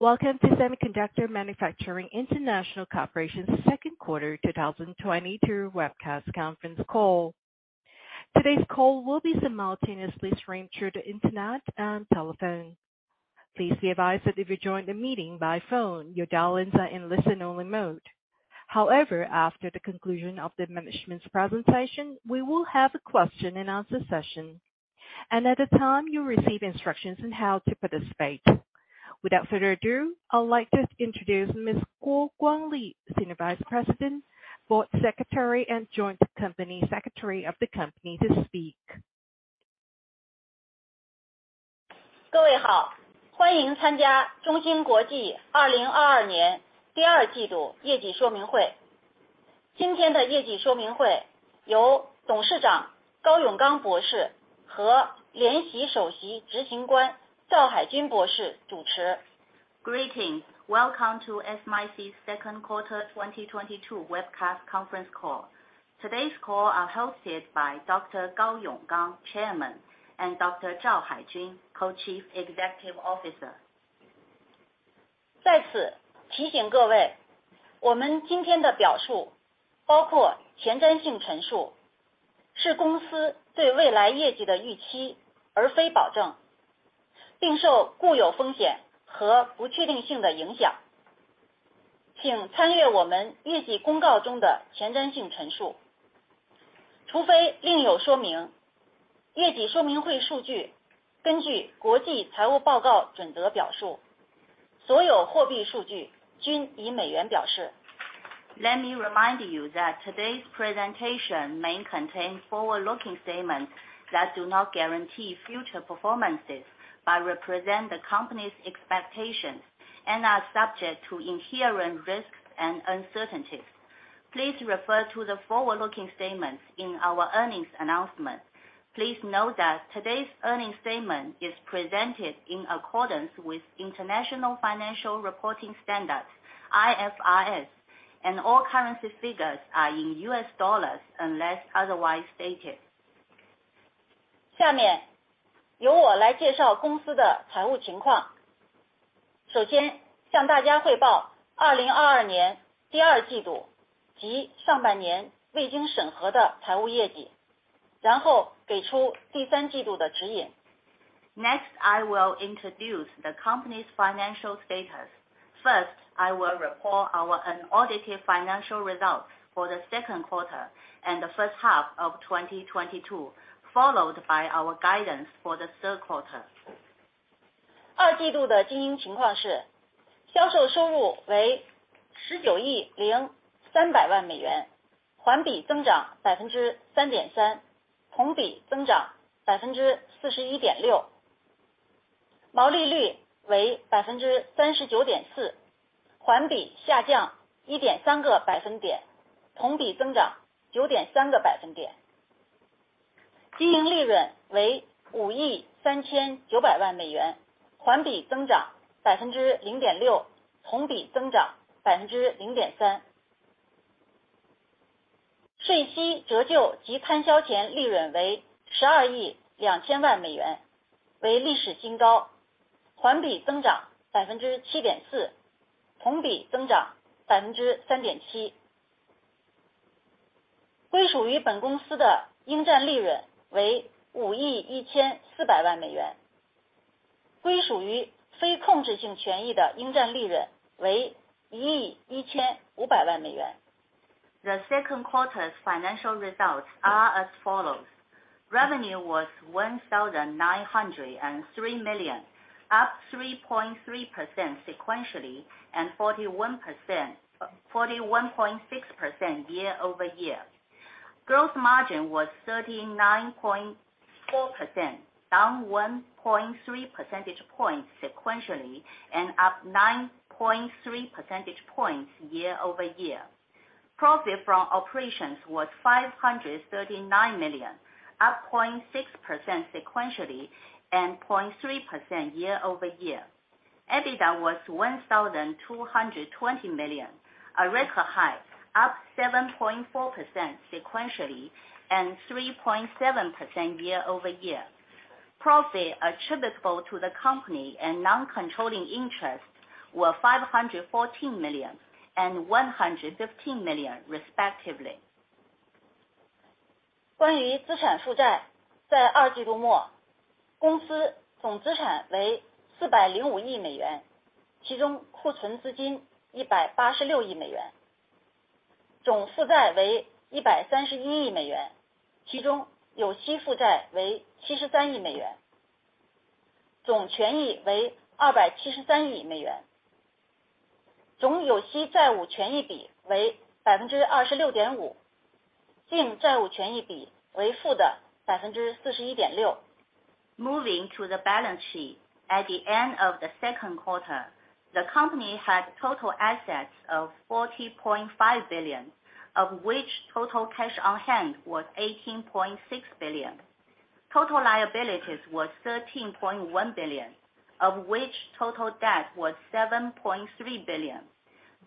Welcome to Semiconductor Manufacturing International Corporation second quarter 2022 webcast conference call. Today's call will be simultaneously streamed through the internet and telephone. Please be advised that if you join the meeting by phone, your dial-ins are in listen-only mode. However, after the conclusion of the management's presentation, we will have a question-and-answer session. At the time, you'll receive instructions on how to participate. Without further ado, I would like to introduce Ms. Guo Guangli, Senior Vice President, Board Secretary, and Joint Company Secretary of the company to speak. Greetings. Welcome to SMIC's second quarter 2022 webcast conference call. Today's call is hosted by Dr. Gao Yonggang, Chairman, and Dr. Zhao Haijun, Co-Chief Executive Officer. Let me remind you that today's presentation may contain forward-looking statements that do not guarantee future performances, but represent the company's expectations and are subject to inherent risks and uncertainties. Please refer to the forward-looking statements in our earnings announcement. Please note that today's earnings statement is presented in accordance with International Financial Reporting Standards (IFRS), and all currency figures are in US dollars unless otherwise stated. Next, I will introduce the company's financial status. First, I will report our unaudited financial results for the second quarter and the first half of 2022, followed by our guidance for the third quarter. The second quarter's financial results are as follows. Revenue was $1,903 million, up 3.3% sequentially and 41.6% year-over-year. Gross margin was 39.4%, down 1.3 percentage points sequentially and up 9.3 percentage points year-over-year. Profit from operations was $539 million, up 0.6% sequentially and 0.3% year-over-year. EBITDA was $1,220 million, a record high, up 7.4% sequentially and 3.7% year-over-year. Profit attributable to the company and non-controlling interest were $514 million and $115 million, respectively. Moving to the balance sheet. At the end of the second quarter, the company had total assets of $40.5 billion, of which total cash on hand was $18.6 billion. Total liabilities was $13.1 billion, of which total debt was $7.3 billion.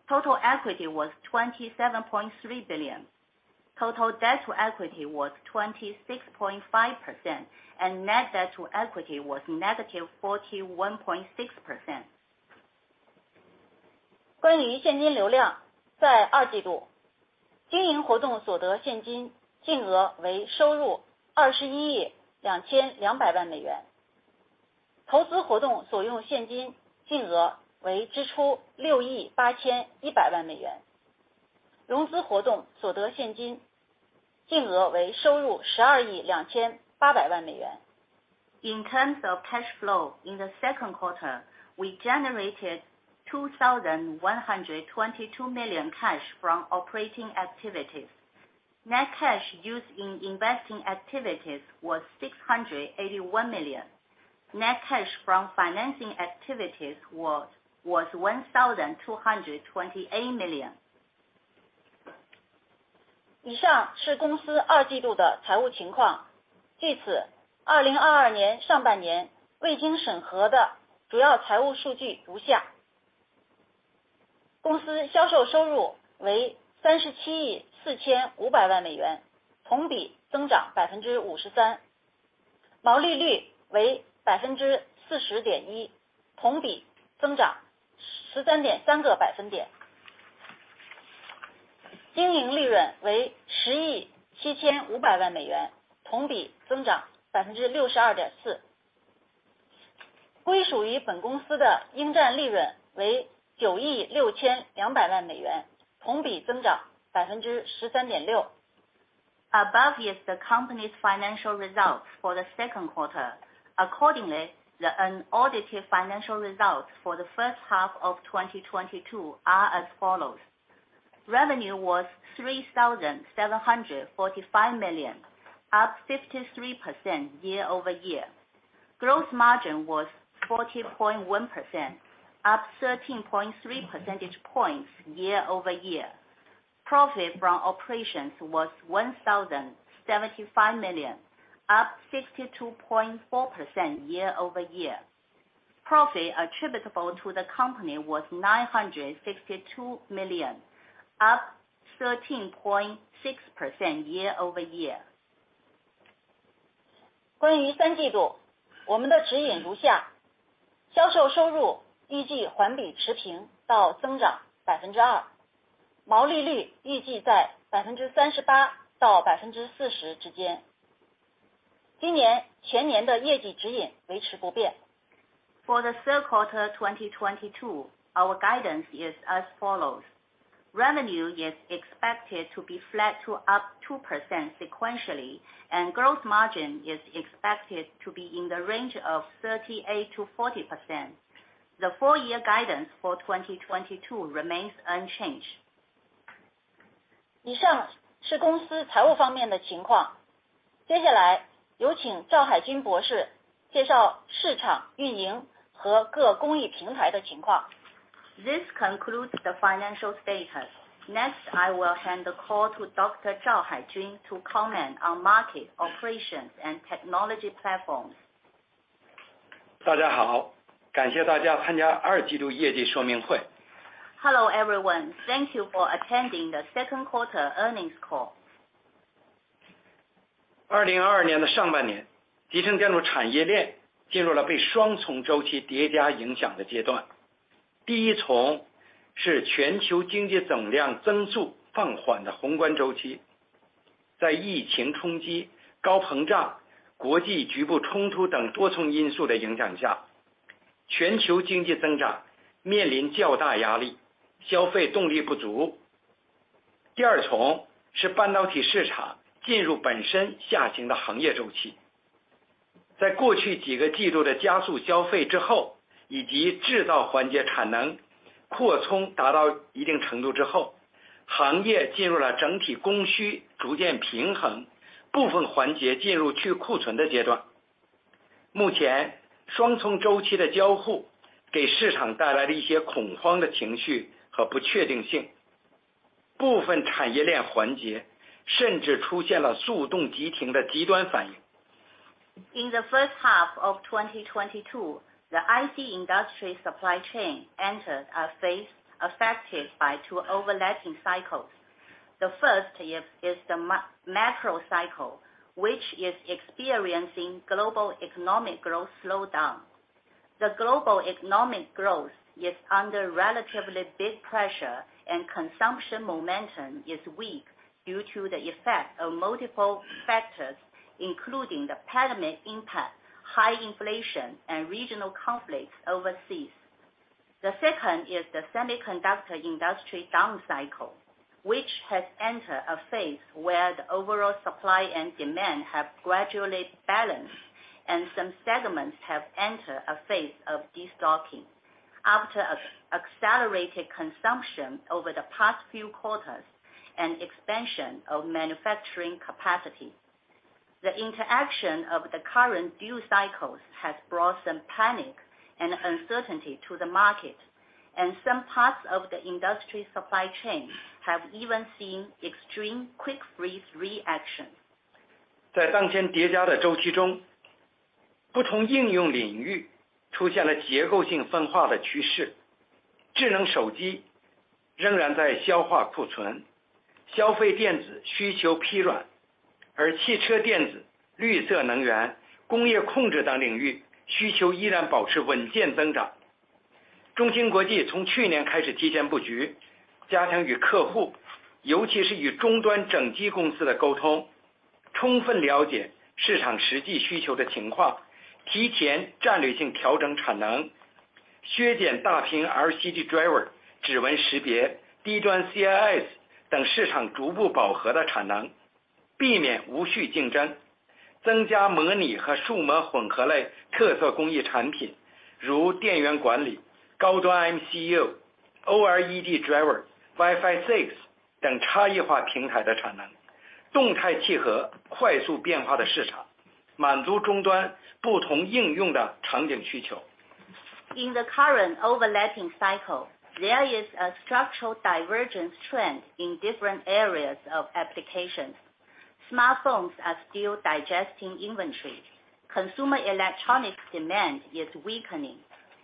Total equity was $27.3 billion. Total debt to equity was 26.5% and net debt to equity was -41.6%. 关于现金流量，在二季度经营活动所得现金净额为收入$21.22亿美元。投资活动所用现金净额为支出$6.81亿美元。融资活动所得现金净额为收入$12.28亿美元。In terms of cash flow. In the second quarter, we generated $2,122 million cash from operating activities. Net cash used in investing activities was $681 million. Net cash from financing activities was $1,228 million. Above is the company's financial results for the second quarter. Accordingly, the unaudited financial results for the first half of 2022 are as follows. Revenue was $3,745 million, up 53% year-over-year. Gross margin was 40.1%, up 13.3 percentage points year-over-year. Profit from operations was $1,075 million, up 62.4% year-over-year. Profit attributable to the company was $962 million, up 13.6% year-over-year. 关于三季度我们的指引如下，销售收入预计环比持平到增长2%，毛利率预计在38%到40%之间。今年全年的业绩指引维持不变。For the third quarter 2022, our guidance is as follows. Revenue is expected to be flat to up 2% sequentially, and gross margin is expected to be in the range of 38%-40%. The full-year guidance for 2022 remains unchanged. 以上是公司财务方面的情况。接下来有请赵海军博士介绍市场运营和各工艺平台的情况。This concludes the financial status. Next, I will hand the call to Dr. Zhao Haijun to comment on market operations and technology platforms. 大家好，感谢大家参加二季度业绩说明会。Hello everyone, thank you for attending the second quarter earnings call. In the first half of 2022, the IC industry supply chain entered a phase affected by two overlapping cycles. The first is the macro cycle, which is experiencing global economic growth slowdown. The global economic growth is under relatively big pressure, and consumption momentum is weak due to the effect of multiple factors, including the pandemic impact, high inflation and regional conflicts overseas. The second is the semiconductor industry down cycle, which has entered a phase where the overall supply and demand have gradually balanced and some segments have entered a phase of destocking after accelerated consumption over the past few quarters and expansion of manufacturing capacity. The interaction of the current dual cycles has brought some panic and uncertainty to the market, and some parts of the industry supply chain have even seen extreme quick freeze reactions. 在当天叠加的周期中，不同应用领域出现了结构性分化的趋势。智能手机仍然在消化库存，消费电子需求疲软，而汽车、电子、绿色能源、工业控制等领域需求依然保持稳健增长。中芯国际从去年开始提前布局，加强与客户，尤其是与终端整机公司的沟通，充分了解市场实际需求的情况，提前战略性调整产能，削减大屏LCD driver、指纹识别、低端CIS等市场逐步饱和的产能，避免无序竞争，增加模拟和数模混合类特色工艺产品，如电源管理、高端MCU、OLED driver、Wi-Fi 6等差异化平台的产能，动态契合快速变化的市场，满足终端不同应用的场景需求。In the current overlapping cycle, there is a structural divergence trend in different areas of application. Smartphones are still digesting inventory. Consumer electronics demand is weakening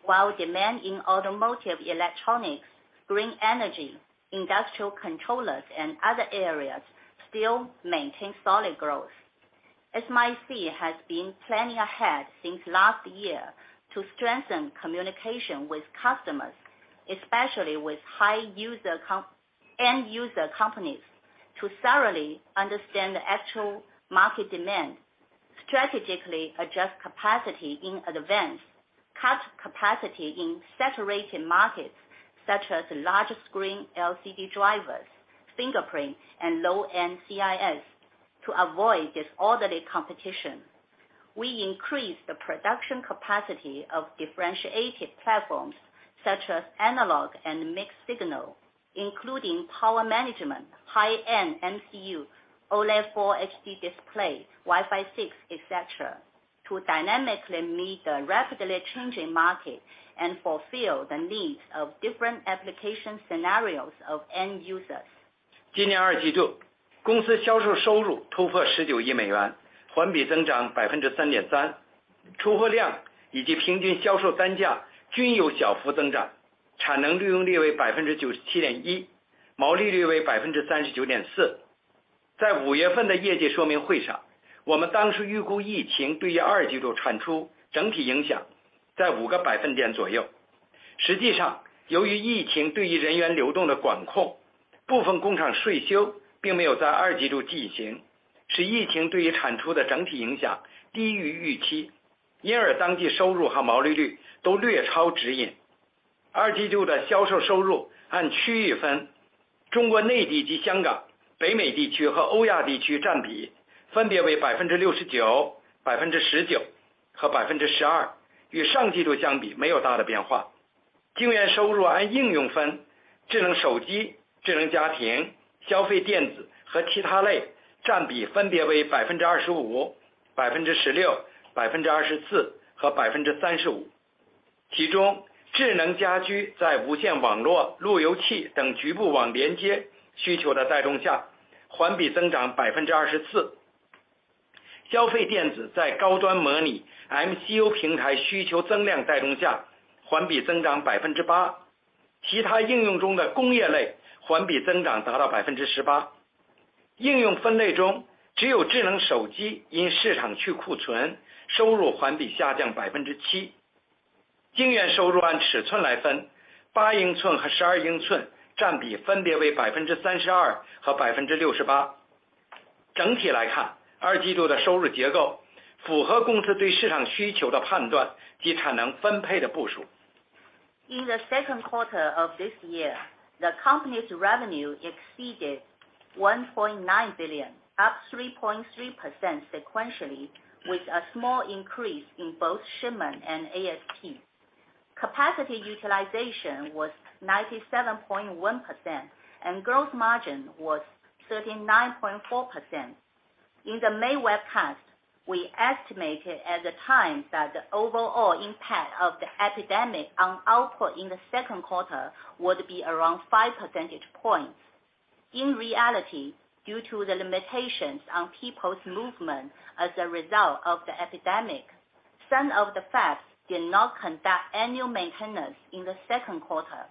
while demand in automotive electronics, green energy, industrial controllers, and other areas still maintain solid growth. As you might see, has been planning ahead since last year to strengthen communication with customers, especially with end-user companies, to thoroughly understand the actual market demand, strategically adjust capacity in advance. Cut capacity in saturated markets such as large screen LCD drivers, fingerprint and low-end CIS to avoid disorderly competition. We increase the production capacity of differentiated platforms such as analog and mixed signal, including power management, high-end MCU, OLED driver, Wi-Fi 6, etc, to dynamically meet the rapidly changing market and fulfill the needs of different application scenarios of end users. In the second quarter of this year, the company's revenue exceeded $1.9 billion, up 3.3% sequentially, with a small increase in both shipment and ASP. Capacity utilization was 97.1% and gross margin was 39.4%. In the May webcast, we estimated at the time that the overall impact of the epidemic on output in the second quarter would be around five percentage points. In reality, due to the limitations on people's movement as a result of the epidemic, some of the fabs did not conduct annual maintenance in the second quarter,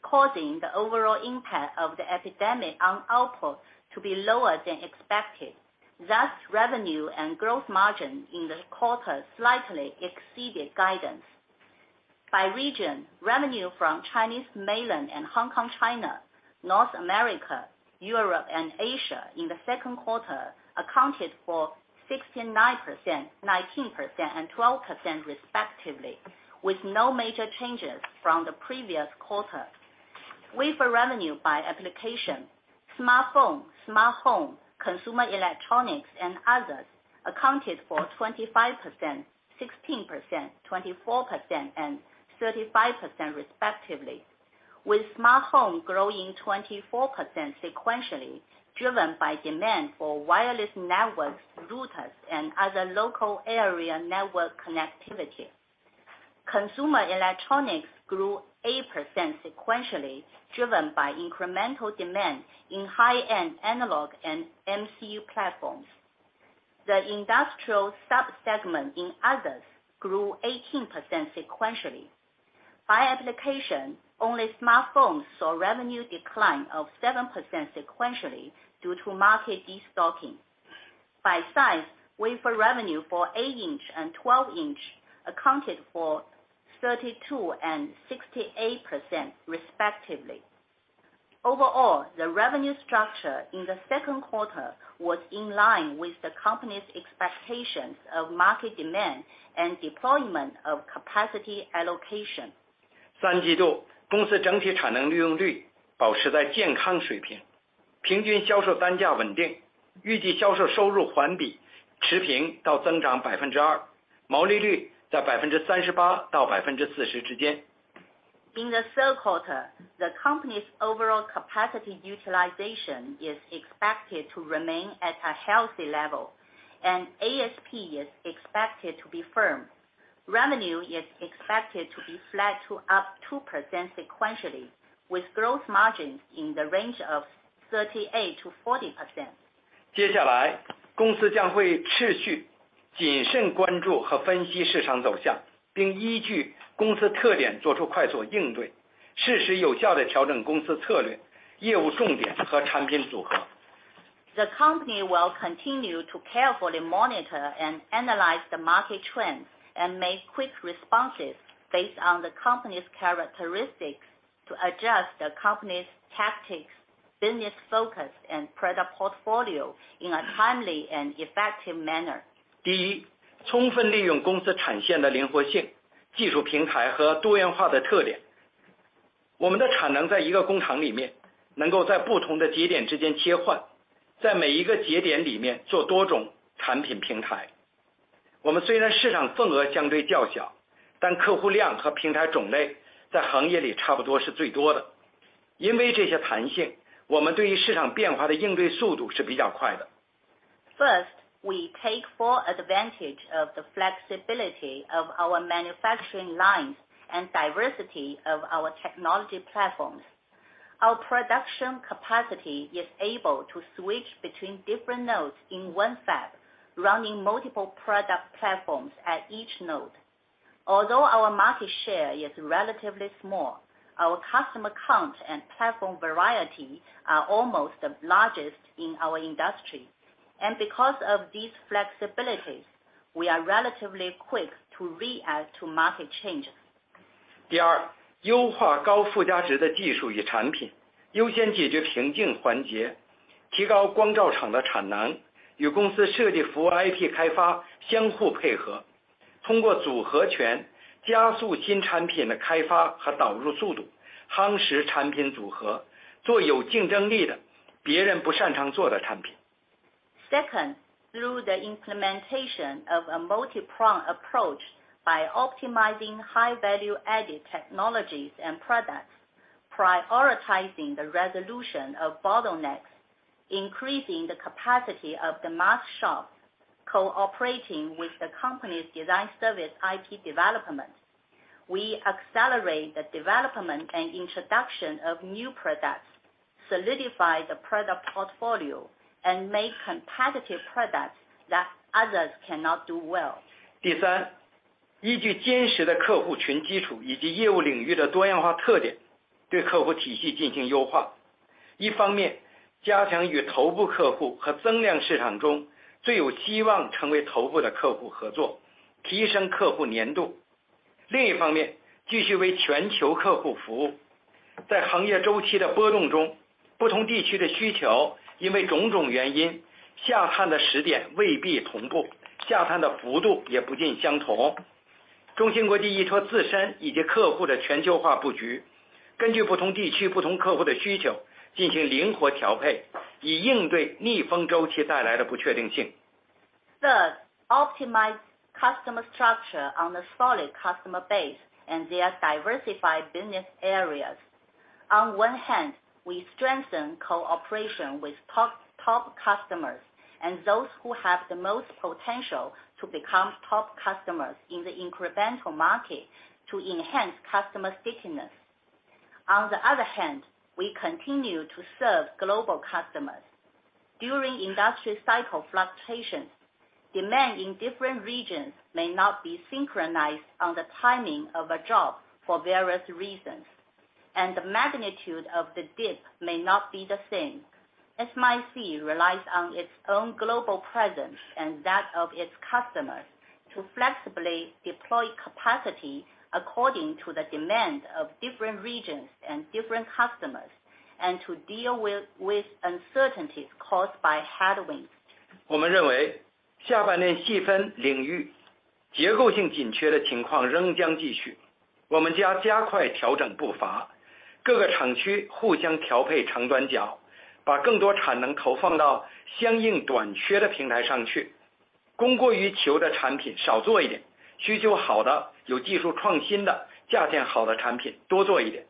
causing the overall impact of the epidemic on output to be lower than expected. Thus, revenue and gross margin in this quarter slightly exceeded guidance. By region, revenue from Chinese Mainland and Hong Kong, China, North America, Europe and Asia in the second quarter accounted for 69%, 19%, and 12% respectively, with no major changes from the previous quarter. Wafer revenue by application smartphone, smart home, consumer electronics and others accounted for 25%, 16%, 24% and 35% respectively, with smart home growing 24% sequentially, driven by demand for wireless networks, routers and other local area network connectivity. Consumer electronics grew 8% sequentially, driven by incremental demand in high-end analog and MCU platforms. The industrial sub-segment in others grew 18% sequentially. By application, only smartphones saw revenue decline of 7% sequentially due to market destocking. By size, wafer revenue for 8-inch and 12-inch accounted for 32% and 68% respectively. Overall, the revenue structure in the second quarter was in line with the company's expectations of market demand and deployment of capacity allocation. 三季度公司整体产能利用率保持在健康水平，平均销售单价稳定，预计销售收入环比持平到增长2%，毛利率在38%到40%之间。In the third quarter, the company's overall capacity utilization is expected to remain at a healthy level, and ASP is expected to be firm. Revenue is expected to be flat to up 2% sequentially, with gross margins in the range of 38%-40%. 接下来，公司将会持续谨慎关注和分析市场走向，并依据公司特点做出快速应对，适时有效地调整公司策略、业务重点和产品组合。The company will continue to carefully monitor and analyze the market trends and make quick responses based on the company's characteristics to adjust the company's tactics, business focus, and product portfolio in a timely and effective manner. 第一，充分利用公司产线的灵活性、技术平台和多元化的特点。我们的产能在一个工厂里面，能够在不同的节点之间切换，在每一个节点里面做多种产品平台。我们虽然市场份额相对较小，但客户量和平台种类在行业里差不多是最多的。因为这些弹性，我们对于市场变化的应对速度是比较快的。First, we take full advantage of the flexibility of our manufacturing lines and diversity of our technology platforms. Our production capacity is able to switch between different nodes in one fab, running multiple product platforms at each node. Although our market share is relatively small, our customer count and platform variety are almost the largest in our industry. Because of these flexibilities, we are relatively quick to react to market changes. 第二，优化高附加值的技术与产品，优先解决瓶颈环节，提高光罩厂的产能，与公司设计服务IP开发相互配合，通过组合拳加速新产品的开发和导入速度，夯实产品组合，做有竞争力的别人不擅长做的产品。Second, through the implementation of a multi-pronged approach by optimizing high-value-added technologies and products, prioritizing the resolution of bottlenecks, increasing the capacity of the mask shop, cooperating with the company's design service IP development, we accelerate the development and introduction of new products, solidify the product portfolio, and make competitive products that others cannot do well. 第三，依据坚实的客户群基础以及业务领域的多元化特点，对客户体系进行优化。一方面加强与头部客户和增量市场中最有希望成为头部的客户合作，提升客户粘度。另一方面继续为全球客户服务。在行业周期的波动中，不同地区的需求因为种种原因，下探的时点未必同步，下探的幅度也不尽相同。中芯国际依托自身以及客户的全球化布局，根据不同地区不同客户的需求进行灵活调配，以应对逆风周期带来的不确定性。Third, optimize customer structure on a solid customer base and their diversified business areas. On one hand, we strengthen cooperation with top customers and those who have the most potential to become top customers in the incremental market to enhance customer stickiness. On the other hand, we continue to serve global customers. During industry cycle fluctuations, demand in different regions may not be synchronized on the timing of a job for various reasons, and the magnitude of the dip may not be the same. SMIC relies on its own global presence and that of its customers to flexibly deploy capacity according to the demand of different regions and different customers, and to deal with uncertainties caused by headwinds. 我们认为下半年细分领域结构性紧缺的情况仍将继续，我们要加快调整步伐，各个厂区互相调配长短角，把更多产能投放到相应短缺的平台上去，供过于求的产品少做一点，需求好的、有技术创新的、价钱好的产品多做一点。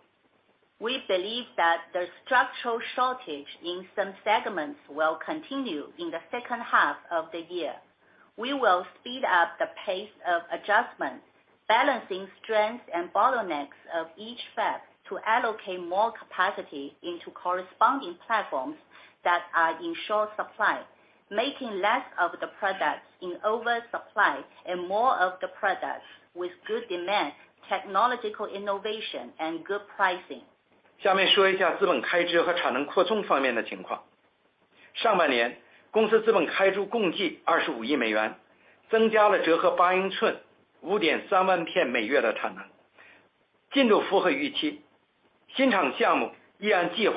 We believe that the structural shortage in some segments will continue in the second half of the year. We will speed up the pace of adjustments, balancing strengths and bottlenecks of each fab to allocate more capacity into corresponding platforms that are in short supply, making less of the products in oversupply and more of the products with good demand, technological innovation and good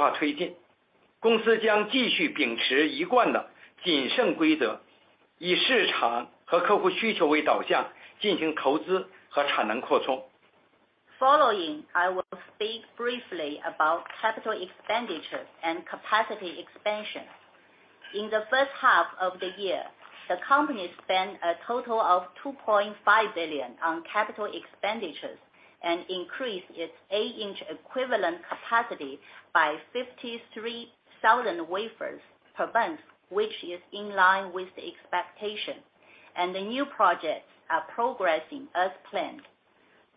pricing. Following, I will speak briefly about capital expenditure and capacity expansion. In the first half of the year, the company spent a total of $2.5 billion on capital expenditures and increased its eight-inch equivalent capacity by 53,000 wafers per month, which is in line with the expectation. The new projects are progressing as planned.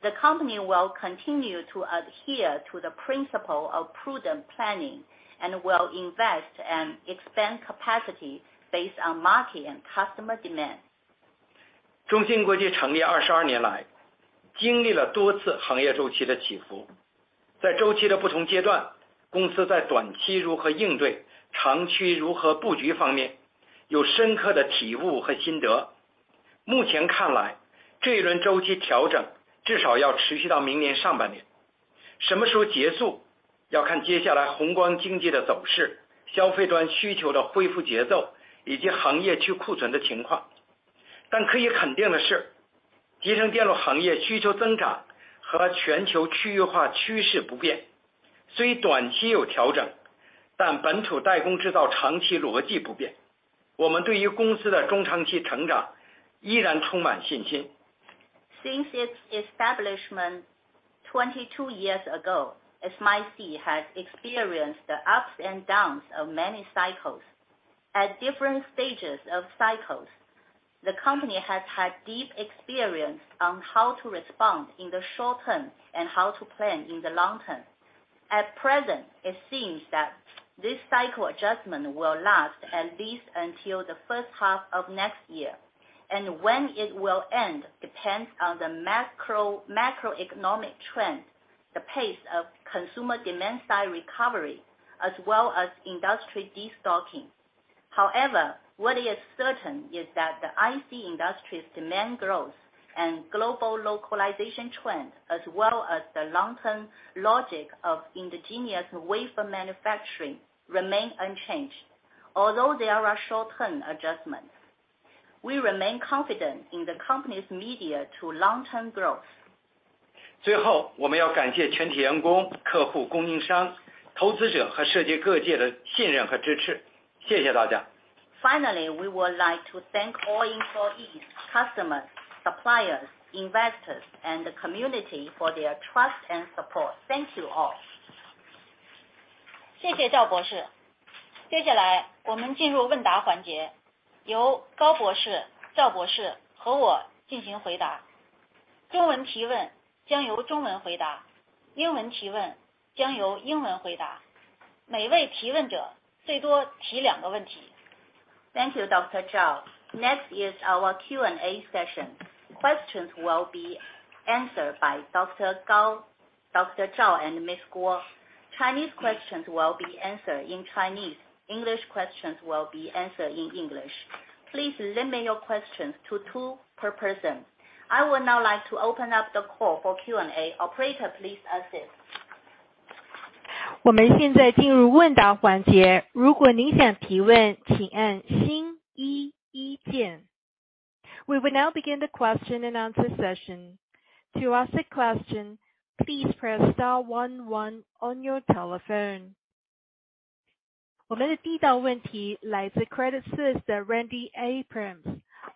The company will continue to adhere to the principle of prudent planning and will invest and expand capacity based on market and customer demand. Since its establishment 22 years ago, SMIC has experienced the ups and downs of many cycles. At different stages of cycles, the company has had deep experience on how to respond in the short-term and how to plan in the long-term. At present, it seems that this cycle adjustment will last at least until the first half of next year, and when it will end depends on the macroeconomic trend, the pace of consumer demand side recovery, as well as industry destocking. However, what is certain is that the IC industry's demand growth and global localization trend, as well as the long-term logic of indigenous wafer manufacturing remain unchanged. Although there are short-term adjustments, we remain confident in the company's medium to long-term growth. Finally, we would like to thank all employees, customers, suppliers, investors and the community for their trust and support. Thank you all. Thank you, Dr. Zhao. Next is our Q&A session. Questions will be answered by Dr. Gao, Dr. Zhao and Ms. Guo. Chinese questions will be answered in Chinese. English questions will be answered in English. Please limit your questions to two per person. I would now like to open up the call for Q&A. Operator, please assist. We will now begin the question and answer session. To ask a question, please press star one one on your telephone.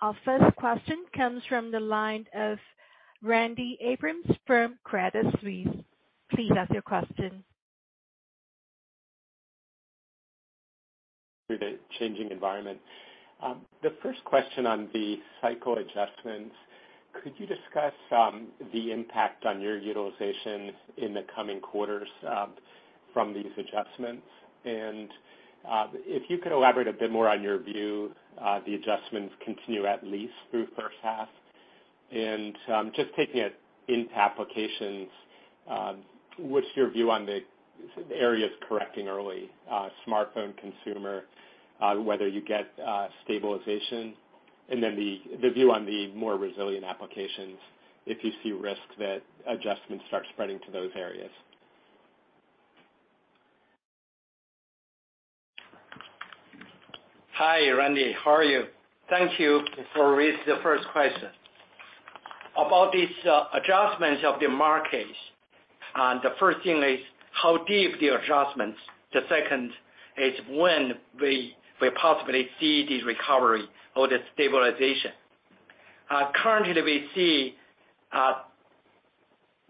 Our first question comes from the line of Randy Abrams from Credit Suisse. Please ask your question. The changing environment. The first question on the cycle adjustments, could you discuss the impact on your utilization in the coming quarters from these adjustments? If you could elaborate a bit more on your view, the adjustments continue at least through first half. Just taking it into applications, what's your view on the areas correcting early, smartphone consumer, whether you get stabilization? Then the view on the more resilient applications, if you see risks that adjustments start spreading to those areas. Hi, Randy. How are you? Thank you for raising the first question. About these adjustments of the markets, the first thing is how deep the adjustments. The second is when we possibly see the recovery or the stabilization. Currently we see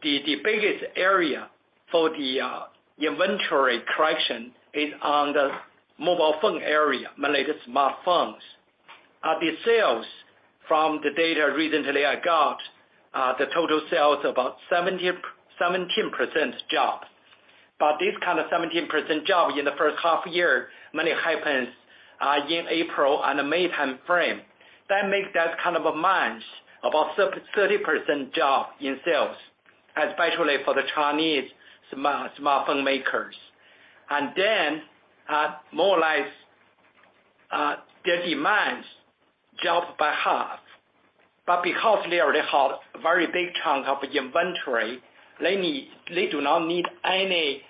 the biggest area for the inventory correction is on the mobile phone area, mainly the smartphones. The sales from the data recently I got, the total sales about 17% drop. This kind of 17% drop in the first half year mainly happens in April and May timeframe. That makes that kind of a month, about 30% drop in sales, especially for the Chinese smartphone makers. Then, more or less, their demands dropped by half. Because they already have a very big chunk of inventory, they do not need any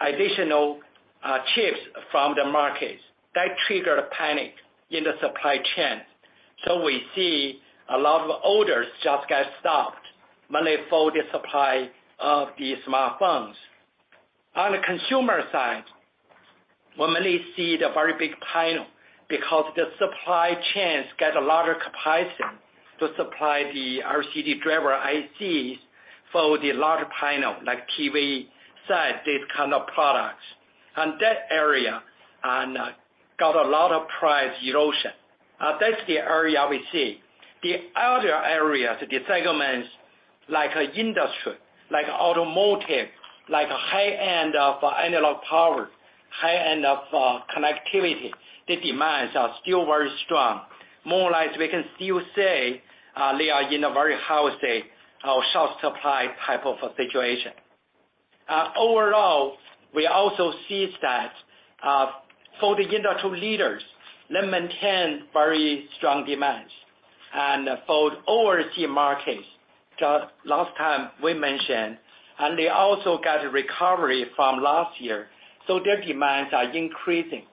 additional chips from the market. That triggered a panic in the supply chain. We see a lot of orders just get stopped, mainly for the supply of the smartphones. On the consumer side, we mainly see the very big panel because the supply chains get a lot of capacity to supply the LCD driver ICs for the larger panel, like TV set, these kind of products. That area got a lot of price erosion. That's the area we see. The other areas, the segments like industry, like automotive, like high end of analog power, high-end of connectivity, the demands are still very strong. More or less, we can still say they are in a very healthy or short supply type of a situation. Overall, we also see that, for the industry leaders, they maintain very strong demands. For overseas markets, just last time we mentioned, and they also got a recovery from last year, so their demands are increasing.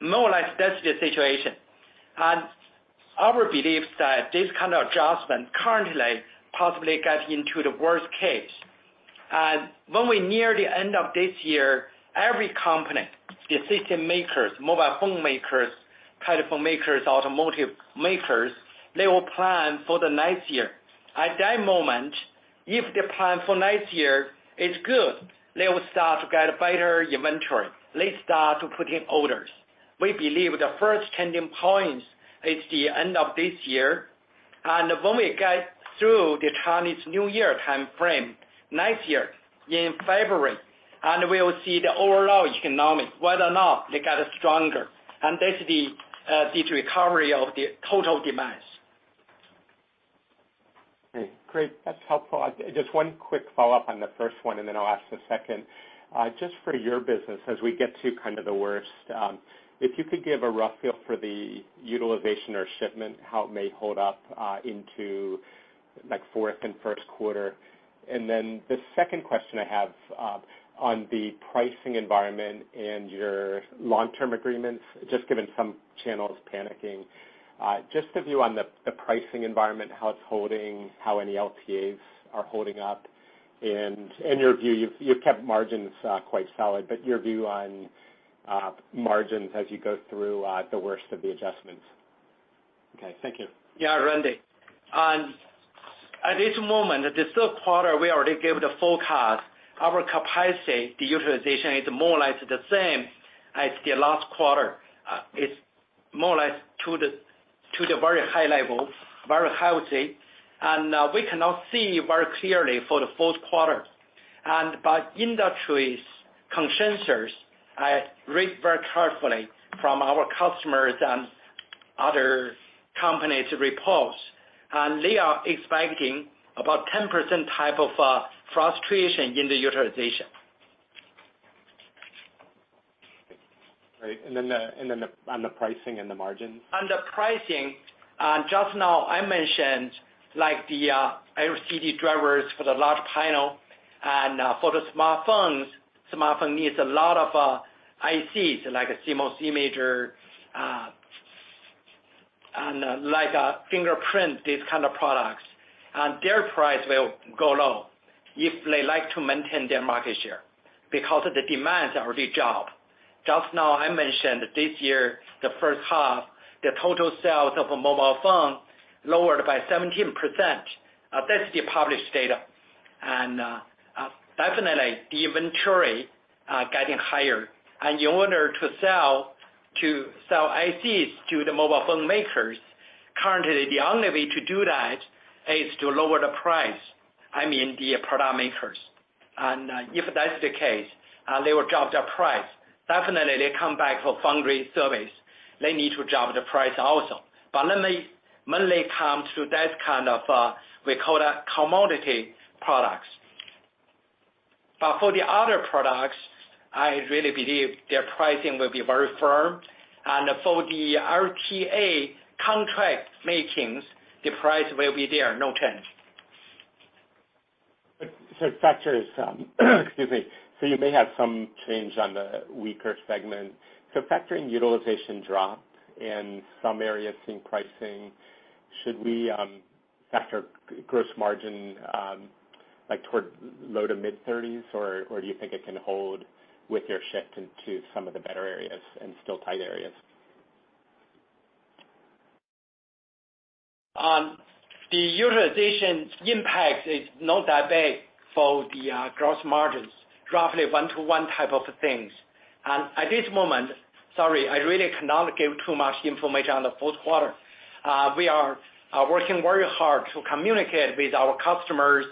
More or less, that's the situation. Our belief is that this kind of adjustment currently possibly get into the worst case. When we near the end of this year, every company, decision-makers, mobile phone makers, telephone makers, automotive makers, they will plan for the next year. At that moment, if the plan for next year is good, they will start to get better inventory. They start to put in orders. We believe the first turning point is the end of this year. When we get through the Chinese New Year timeframe next year in February, we will see the overall economy, whether or not they get stronger. That's the recovery of the total demand. Great. That's helpful. Just one quick follow-up on the first one, and then I'll ask the second. Just for your business, as we get to kind of the worst, if you could give a rough feel for the utilization or shipment, how it may hold up into like fourth and first quarter. The second question I have on the pricing environment and your long-term agreements, just given some channels panicking. Just a view on the pricing environment, how it's holding, how any LTAs are holding up. In your view, you've kept margins quite solid, but your view on margins as you go through the worst of the adjustments. Okay. Thank you. Yeah, Randy. At this moment, the third quarter, we already gave the forecast. Our capacity, the utilization is more or less the same as the last quarter. It's more or less to the very high level, very healthy. We cannot see very clearly for the fourth quarter. By industry consensus, I read very carefully from our customers and other companies' reports, and they are expecting about 10% type of contraction in the utilization. Great. Then on the pricing and the margins. On the pricing, just now I mentioned like the LCD drivers for the large panel and for the smartphones. Smartphones need a lot of ICs like a CMOS imager and like a fingerprint, these kind of products. Their price will go low if they like to maintain their market share because the demands already dropped. Just now I mentioned this year, the first half, the total sales of a mobile phone lowered by 17%. That's the published data. Definitely the inventory getting higher. In order to sell ICs to the mobile phone makers, currently, the only way to do that is to lower the price. I mean, the product makers. If that's the case, they will drop their price. Definitely, they come back for foundry service. They need to drop the price also. Let me mainly come to that kind of, we call that commodity products. For the other products, I really believe their pricing will be very firm. For the LTA contract makings, the price will be there, no change. The factor is, excuse me. You may have some change in the weaker segment. Factoring in utilization drop in some areas and pricing, should we expect gross margin like toward low to mid-30s or do you think it can hold with your shift into some of the better areas and still tight areas? On the utilization impact is not that bad for the gross margins, roughly one to one type of things. At this moment, sorry, I really cannot give too much information on the fourth quarter. We are working very hard to communicate with our customers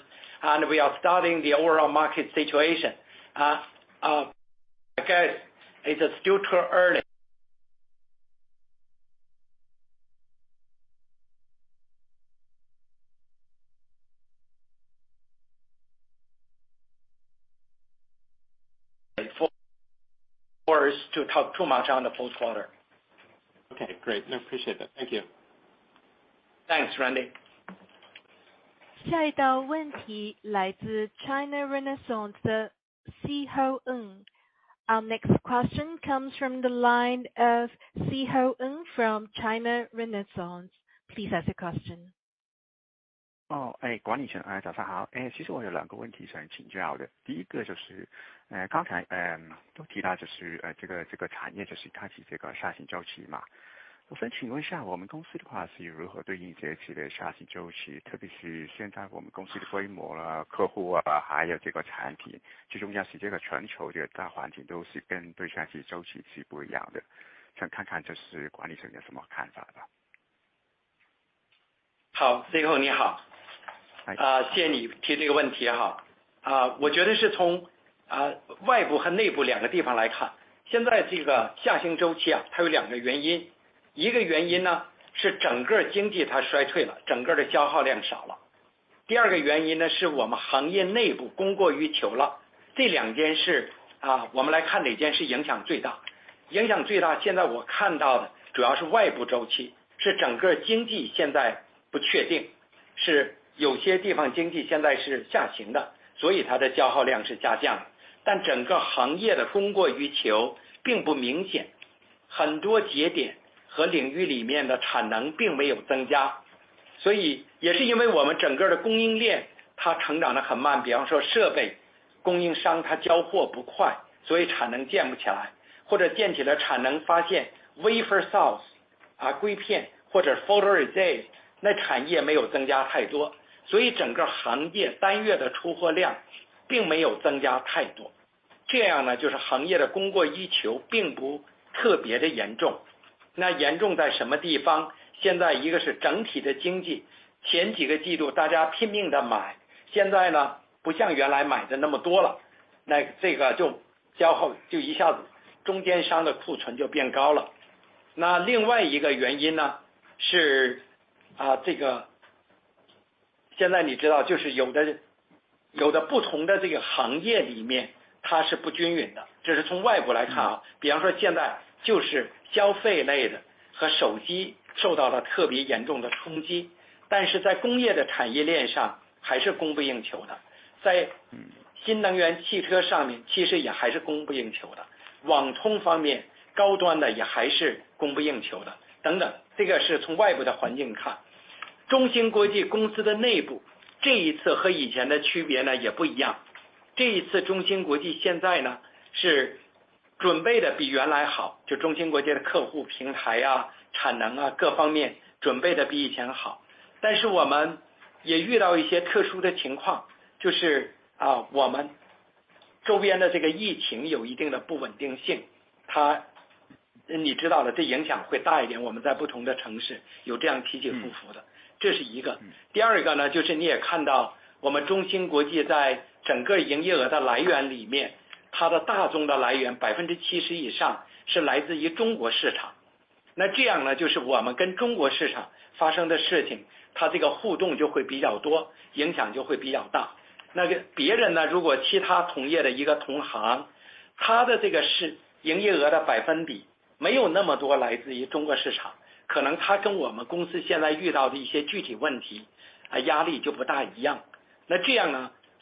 and we are studying the overall market situation. I guess it's still too early for us to talk too much on the fourth quarter. Okay, great. I appreciate that. Thank you. Thanks, Randy. 下一道问题来自 China Renaissance 的 Szeho Ng. Our next question comes from the line of Szeho Ng from China Renaissance. Please ask your question.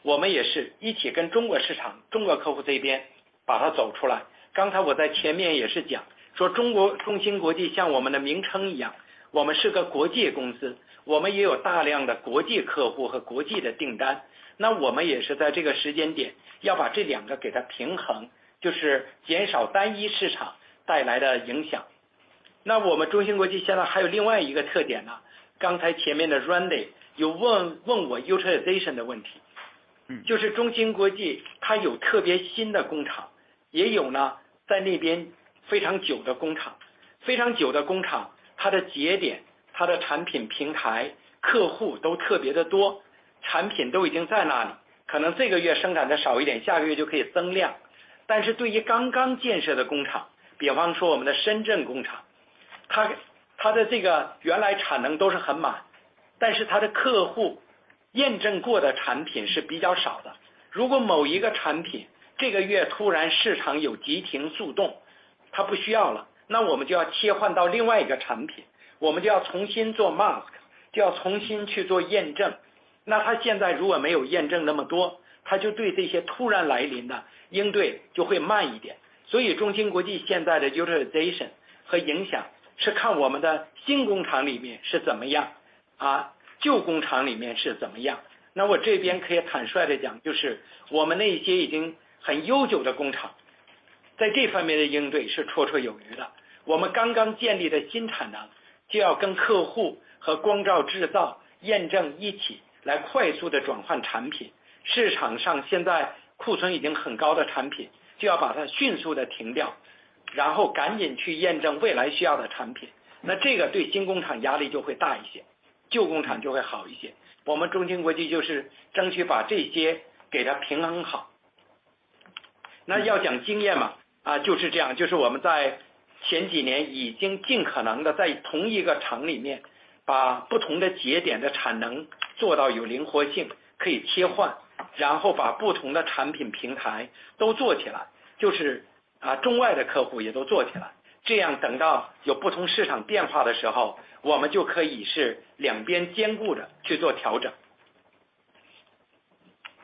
source，硅片或者photoresist那产业没有增加太多，所以整个行业单月的出货量并没有增加太多。这样呢，就是行业的供过于求并不特别的严重。那严重在什么地方？现在一个是整体的经济，前几个季度大家拼命地买，现在呢，不像原来买的那么多了，那这个就消耗，就一下子中间商的库存就变高了。那另外一个原因呢，是现在你知道就是有的，有的不同的这个行业里面它是不均匀的，这是从外部来看。比方说现在就是消费类的和手机受到了特别严重的冲击，但是在工业的产业链上还是供不应求的。在新能源汽车上面其实也还是供不应求的，网通方面高端的也还是供不应求的等等，这个是从外部的环境看。中芯国际公司的内部这一次和以前的区别呢也不一样，这一次中芯国际现在呢是准备的比原来好，就中芯国际的客户平台，产能，各方面准备的比以前好。但是我们也遇到一些特殊的情况，就是我们周边的这个疫情有一定的不稳定性，你知道的，这影响会大一点，我们在不同的城市有这样起起伏伏的，这是一个。第二个呢，就是你也看到我们中芯国际在整个营业额的来源里面，它的大宗的来源70%以上是来自于中国市场，那这样呢，就是我们跟中国市场发生的事情，它这个互动就会比较多，影响就会比较大。那个别人呢，如果其他同业的一个同行，他的这个是营业额的百分比，没有那么多来自于中国市场，可能他跟我们公司现在遇到的一些具体问题，压力就不大一样。那这样呢，我们也是一起跟中国市场、中国客户这边把它走出来。刚才我在前面也是讲，说中芯国际像我们的名称一样，我们是个国际公司，我们也有大量的国际客户和国际的订单，那我们也是在这个时间点要把这两个给它平衡，就是减少单一市场带来的影响。那我们中芯国际现在还有另外一个特点呢，刚才前面的Randy有问，问我utilization的问题，就是中芯国际它有特别新的工厂，也有呢在那边非常久的工厂，非常久的工厂，它的节点，它的产品平台、客户都特别的多，产品都已经在那里，可能这个月生产的少一点，下个月就可以增量。但是对于刚刚建设的工厂，比方说我们的深圳工厂，它的这个原来产能都是很满，但是它的客户验证过的产品是比较少的。如果某一个产品这个月突然市场有急停速动，它不需要了，那我们就要切换到另外一个产品，我们就要重新做mask，就要重新去做验证。那它现在如果没有验证那么多，它就对这些突然来临的应对就会慢一点。所以中芯国际现在的utilization和影响是看我们的新工厂里面是怎么样，旧工厂里面是怎么样。那我这边可以坦率地讲，就是我们那些已经很悠久的工厂，在这方面的应对是绰绰有余的。我们刚刚建立的新产能就要跟客户和光照制造验证一起来快速地转换产品。市场上现在库存已经很高的产品，就要把它迅速地停掉，然后赶紧去验证未来需要的产品，那这个对新工厂压力就会大一些，旧工厂就会好一些。我们中芯国际就是争取把这些给它平衡好。那要讲经验嘛，就是这样，就是我们在前几年已经尽可能地在同一个厂里面，把不同的节点的产能做到有灵活性，可以切换，然后把不同的产品平台都做起来，就是中外的客户也都做起来，这样等到有不同市场变化的时候，我们就可以是两边兼顾着去做调整。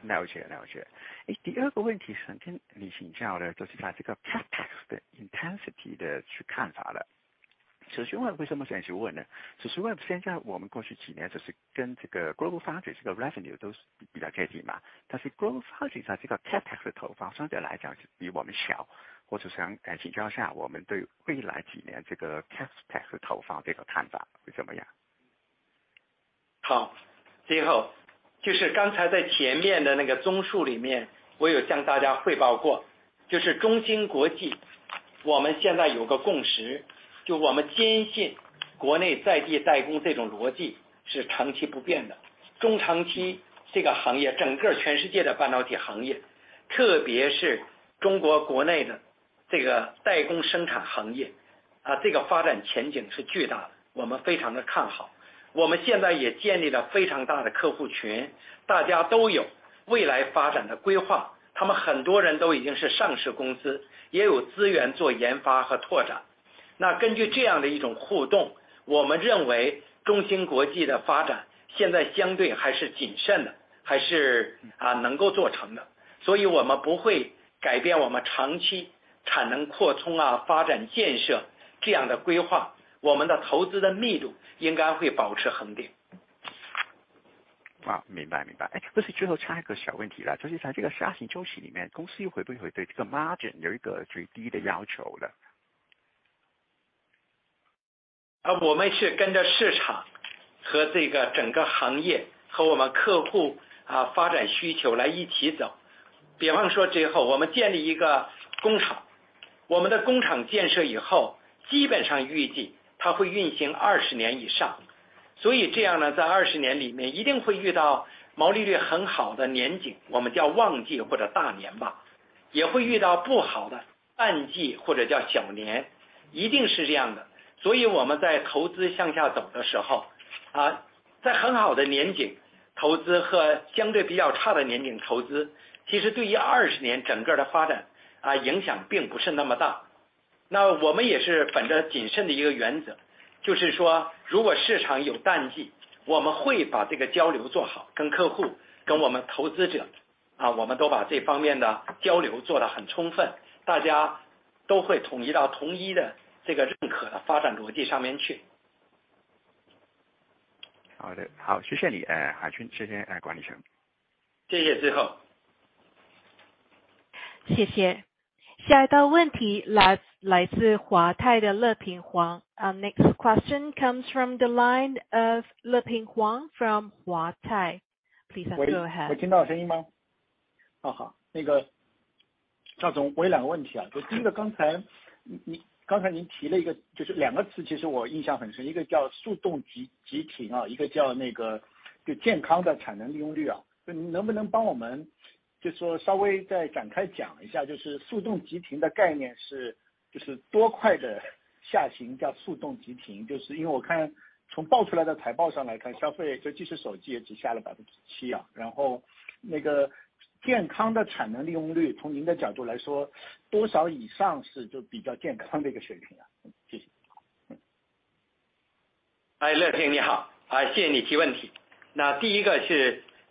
了解，了解。第二个问题想跟您请教的就是在这个CapEx 好的，谢谢你，海军，谢谢郭光丽。谢谢志浩。谢谢。下一道问题来自华泰的乐平黄。Our next question comes from the line of Leping Huang from Huatai. Please go ahead.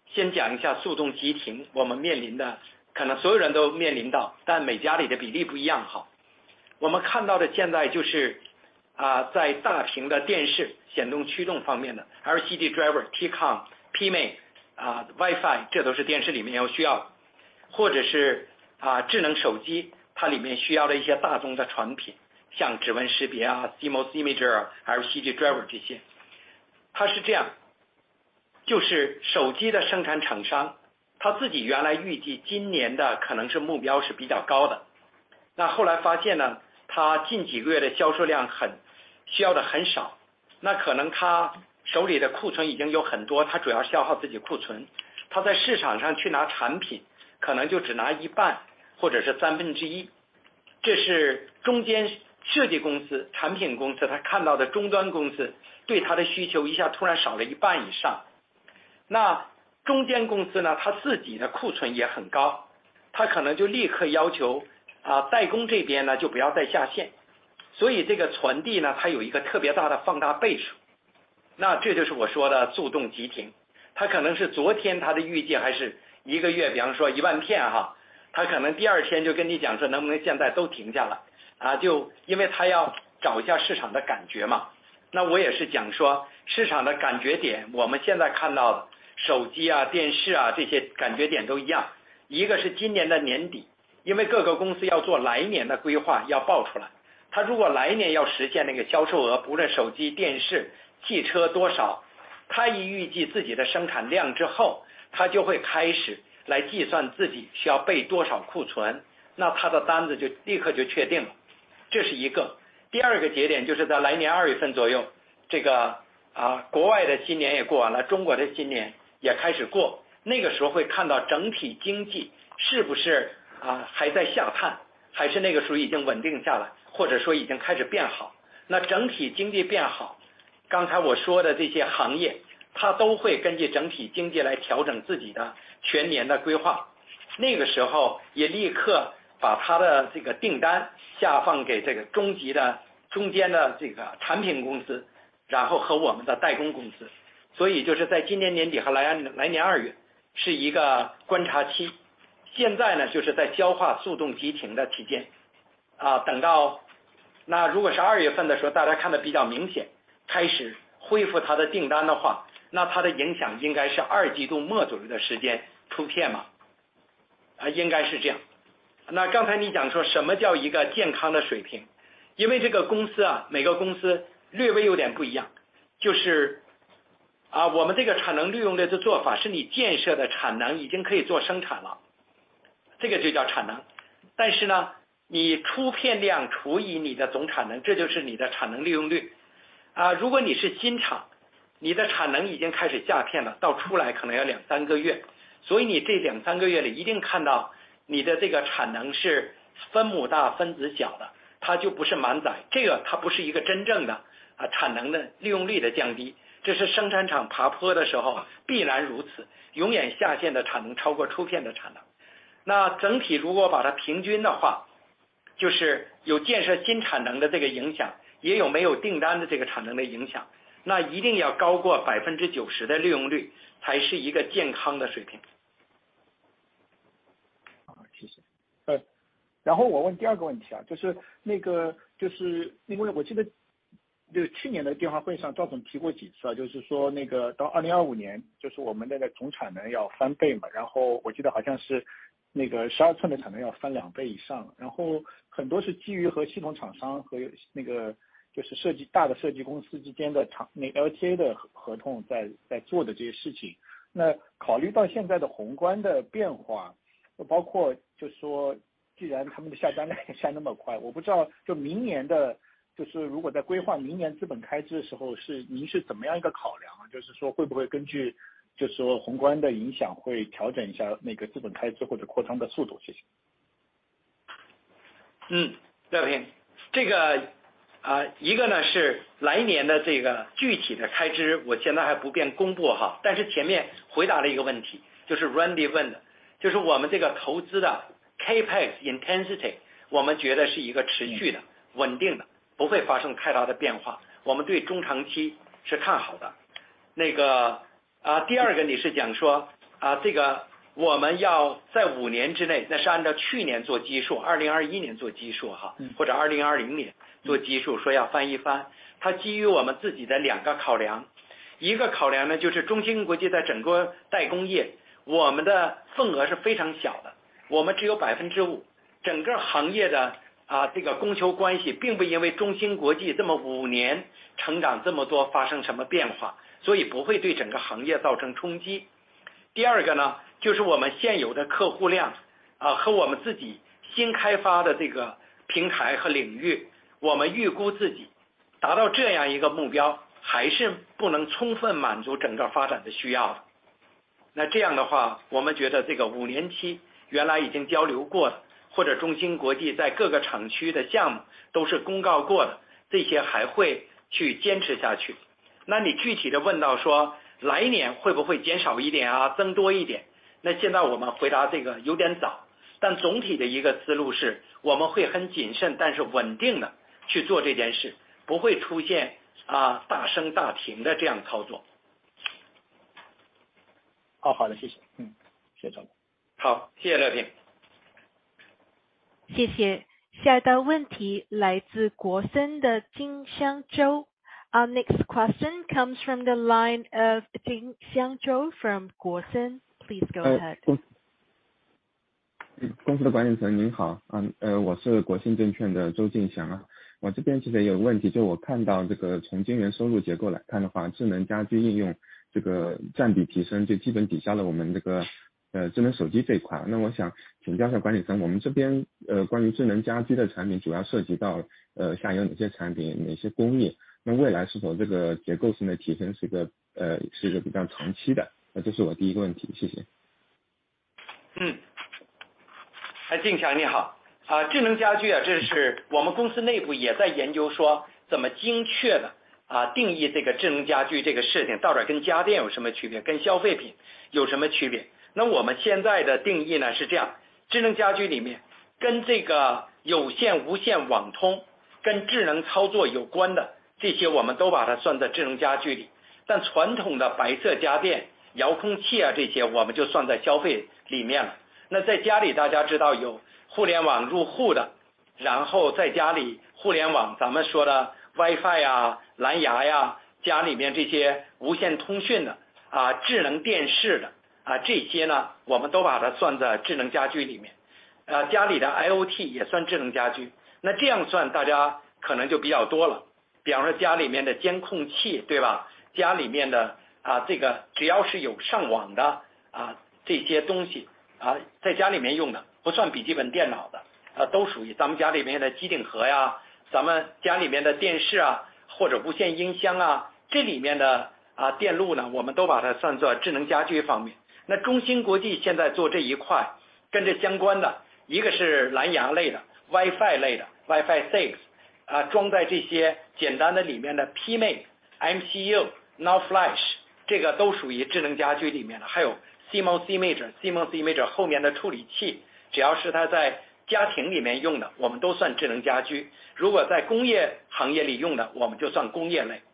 乐平，你好，谢谢你提问题。那第一个是先讲一下速冻急停，我们面临的可能所有人都面临到，但每家里的比例不一样。好，我们看到的现在就是，在大屏的电视显控驱动方面的LCD driver、T-CON、PMIC、Wi-Fi，这都是电视里面有需要的，或者是智能手机，它里面需要的一些大众的产品，像指纹识别、CMOS image sensor、LCD intensity，我们觉得是一个持续的、稳定的，不会发生太大的变化，我们对中长期是看好的。第二个你是讲说，我们要在五年之内，那是按照去年做基数，2021年做基数，或者2020年做基数，说要翻一番，它基于我们自己的两个考量，一个考量呢，就是中芯国际在整个代工业，我们的份额是非常小的，我们只有5%，整个行业的供求关系并不因为中芯国际这么五年成长这么多发生什么变化，所以不会对整个行业造成冲击。第二个呢，就是我们现有的客户量，和我们自己新开发的这个平台和领域，我们预估自己达到这样一个目标还是不能充分满足整个发展的需要的。那这样的话，我们觉得这个五年期原来已经交流过的，或者中芯国际在各个厂区的项目都是公告过的，这些还会去坚持下去。那你具体地问到说来年会不会减少一点、增多一点，那现在我们回答这个有点早，但总体的一个思路是我们会很谨慎但是稳定地去做这件事，不会出现大升大停的这样操作。好的，谢谢。谢谢赵总。好，谢谢乐平。Thank you. Next question comes from the line of Jingxiang Zhou from Guosen Securities. Please go ahead. 靖翔你好。智能家居，这是我们公司内部也在研究说怎么精确地定义这个智能家居这个事情，到底跟家电有什么区别，跟消费品有什么区别。那我们现在的定义呢是这样，智能家居里面跟这个有线无线网通，跟智能操作有关的，这些我们都把它算在智能家居里。但传统的白色家电，遥控器这些我们就算在消费里面了。那在家里大家知道有互联网入户的，然后在家里互联网，咱们说的Wi-Fi、蓝牙，家里面这些无线通讯的、智能电视的，这些呢，我们都把它算在智能家居里面，家里的IOT也算智能家居。那这样算大家可能就比较多了。比方说家里面的监控器，对吧？家里面的，这个只要是有上网的，这些东西，在家里面用的，不算笔记本电脑的，都属于咱们家里面的机顶盒，咱们家里面的电视，或者无线音箱，这里面的电路呢，我们都把它算作智能家居方面。那中芯国际现在做这一块，跟这相关的，一个是蓝牙类的、Wi-Fi类的、Wi-Fi 6，装在这些简单的里面的PMIC、MCU、NAND Flash，这个都属于智能家居里面的。还有CMOS image sensor、CMOS image sensor后端的处理器，只要是它在家庭里面用的，我们都算智能家居。如果在工业行业里用的，我们就算工业类。明白，非常清晰。那么第二个问题就是您刚才也提到这个集体诉讼的问题，我看到这个我们第二季度的合同负债，提升了五亿美元，也比去年接近是去年的三倍。那我们这里面是不是有一些新的订单，是比较长的一些契约，这些会不会面临这个集体诉讼的情况？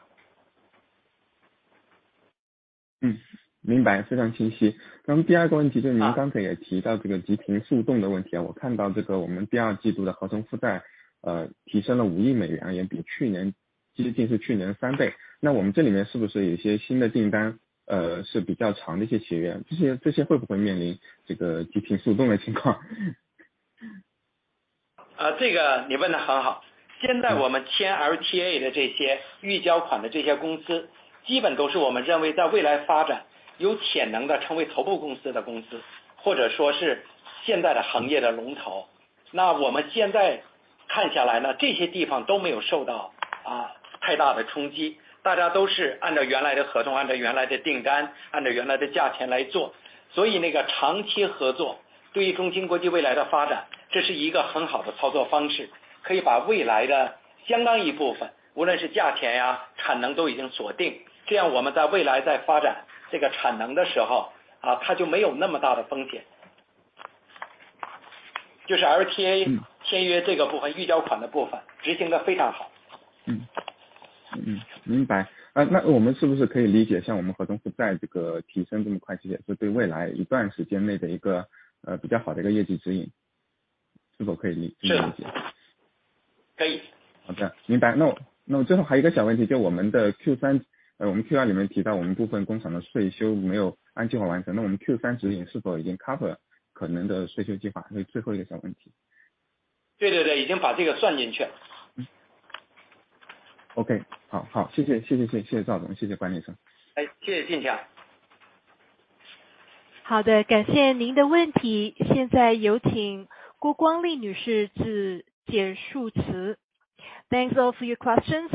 好的，明白。那，最后还有一个小问题，就我们的Q3，我们Q2里面提到我们部分工厂的岁修没有按计划完成，那我们Q3指引是否已经cover了可能的岁修计划？这是最后一个小问题。对，对，对，已经把这个算进去了。好，谢谢赵总，谢谢管先生。谢谢建强。Thanks all for your questions, I'd now like to hand the call back to Ms. Guo Guangli for closing remarks. 谢谢今天参加会议的各界人士，感谢大家的信任和支持。Thank you for participating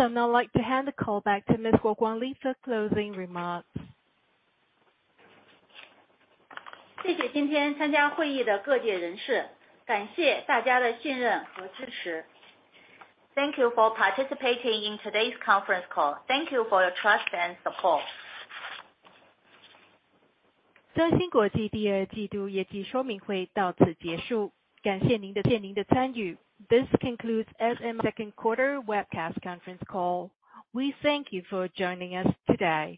in today's conference call, thank you for your trust and support. 中芯国际第二季度业绩说明会到此结束。感谢您的参与。This concludes SMIC second quarter webcast conference call. We thank you for joining us today.